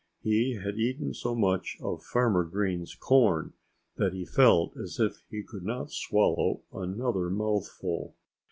He had eaten so much of Farmer Green's corn that he felt as if he could not swallow another mouthful.